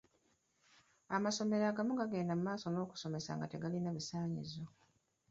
Amasomero agamu gagenda mumaaso n'okusomesa nga tegalina bisaanyizo.